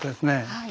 はい。